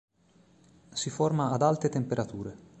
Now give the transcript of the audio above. Si forma ad alte temperature.